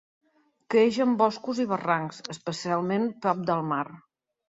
Creix en boscos i barrancs, especialment prop del mar.